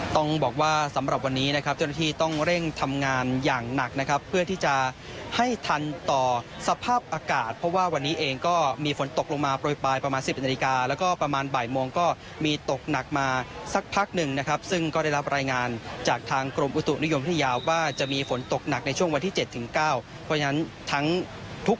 ต้องบอกว่าสำหรับวันนี้นะครับเจ้าหน้าที่ต้องเร่งทำงานอย่างหนักนะครับเพื่อที่จะให้ทันต่อสภาพอากาศเพราะว่าวันนี้เองก็มีฝนตกลงมาโปรยปลายประมาณ๑๑นาฬิกาแล้วก็ประมาณบ่ายโมงก็มีตกหนักมาสักพักหนึ่งนะครับซึ่งก็ได้รับรายงานจากทางกรมอุตุนิยมวิทยาว่าจะมีฝนตกหนักในช่วงวันที่๗๙เพราะฉะนั้นทั้งทุก